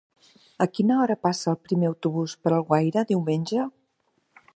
A quina hora passa el primer autobús per Alguaire diumenge?